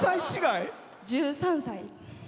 １３歳。